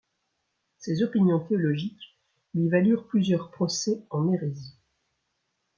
Ses opinions théologiques lui valurent plusieurs procès en hérésie.